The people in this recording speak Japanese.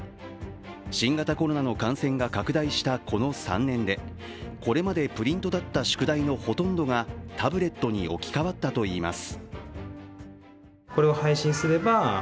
新型コロナの感染が拡大したこの３年でこれまでプリントだった宿題のほとんどがタブレットに置き換わったといいます。